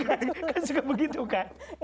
kan suka begitu kan